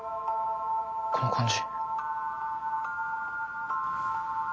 この感じ。